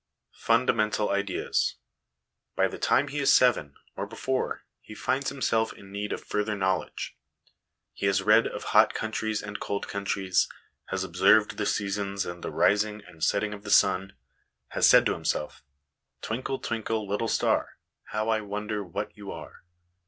Fundamental Ideas. By the time he is seven, or before, he finds himself in need of further know ledge. He has read of hot countries and cold countries, has observed the seasons and the rising and setting of the sun, has said to himself "Twinkle, twinkle, little star, How I wonder what you are